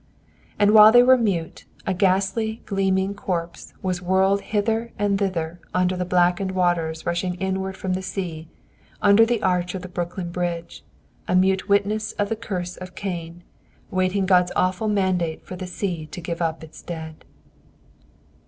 And while they were mute, a ghastly, gleaming corpse was whirled hither and thither, under the blackened waters rushing inward from the sea, under the arch of Brooklyn Bridge, a mute witness of the curse of Cain, waiting God's awful mandate for the sea to give up its dead.